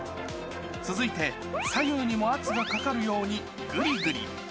続いて、左右にも圧がかかるようにぐりぐり。